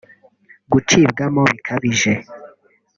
Gucibwamo bikabije